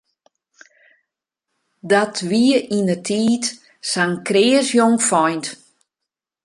Dat wie yndertiid sa'n kreas jongfeint.